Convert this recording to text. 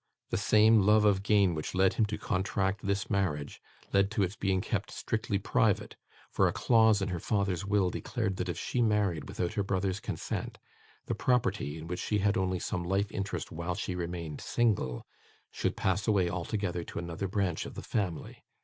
The same love of gain which led him to contract this marriage, led to its being kept strictly private; for a clause in her father's will declared that if she married without her brother's consent, the property, in which she had only some life interest while she remained single, should pass away altogether to another branch of the family.